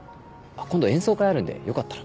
今度演奏会あるんでよかったら。